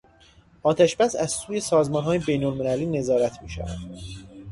آتش بس از سوی سازمانهای بینالمللی نظارت میشود.